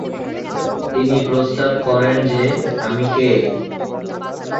তিনি প্রস্তাব করেন যে "আমি কে?"